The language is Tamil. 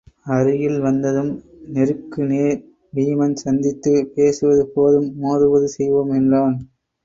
அருகில் வந்ததும் நெருக்கு நேர் வீமன் சந்தித்து, பேசுவது போதும் மோதுவது செய்வோம் என்றான்.